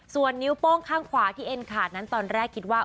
ส่วนนิ้วโป้งข้างขวาที่เอ็นขาดนั้นตอนแรกคิดว่า